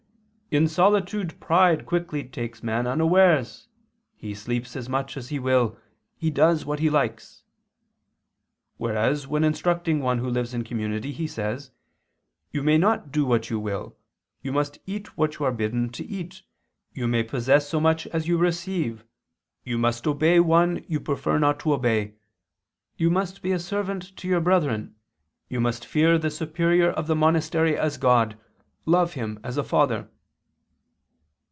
"In solitude pride quickly takes man unawares, he sleeps as much as he will, he does what he likes"; whereas when instructing one who lives in community, he says: "You may not do what you will, you must eat what you are bidden to eat, you may possess so much as you receive, you must obey one you prefer not to obey, you must be a servant to your brethren, you must fear the superior of the monastery as God, love him as a father."